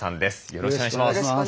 よろしくお願いします。